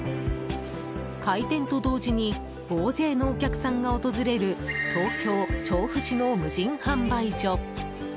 開店と同時に大勢のお客さんが訪れる東京・調布市の無人販売所。